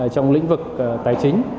trong lĩnh vực tài chính